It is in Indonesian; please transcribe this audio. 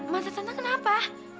masa tante kenapa